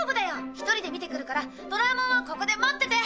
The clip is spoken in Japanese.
１人で見てくるからドラえもんはここで待ってて！